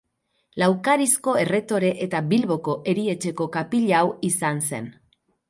Laukarizko erretore eta Bilboko erietxeko kapilau izan zen.